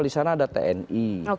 di sana ada tni